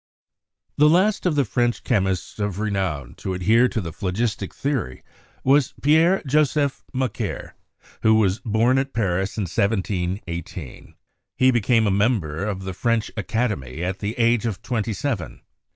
The last of the French chemists of renown to adhere to the phlogistic theory was Pierre Joseph Macquer, who was born at Paris in 1718. He became a member of the French Academy at the age of twenty seven.